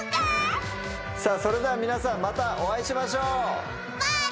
それでは皆さんまたお会いしましょう。